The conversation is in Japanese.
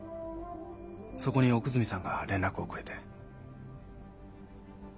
そこに奥泉さんが連絡をくれて。